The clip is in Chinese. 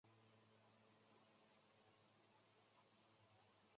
站房综合楼为地上两层。